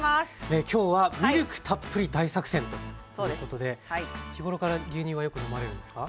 今日は「ミルクたっぷり大作戦！」ということで日頃から牛乳はよく飲まれるんですか？